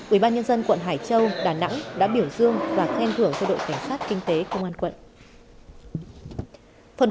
ubnd quận hải châu đà nẵng đã biểu dương và khen thưởng cho đội cảnh sát kinh tế công an quận